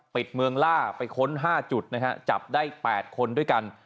ปิดเมืองล่าไปค้น๕จุดนะฮะจับได้๘คนด้วยกัน